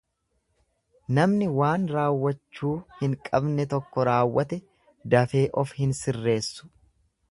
Namni waan raawwachuu hin beekne tokko raawwate dafee of hin sirreessu.